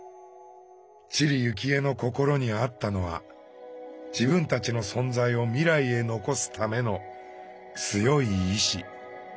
知里幸恵の心にあったのは自分たちの存在を未来へ残すための強い意思。